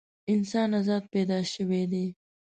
انسان ازاد پیدا شوی دی.